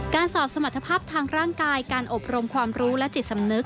สอบสมรรถภาพทางร่างกายการอบรมความรู้และจิตสำนึก